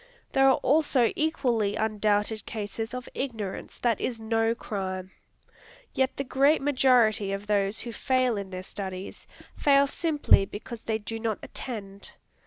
There are also equally undoubted cases of ignorance that is no crime. Yet the great majority of those who fail in their studies, fail simply because they do not attend.